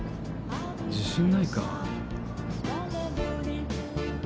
自信ないか？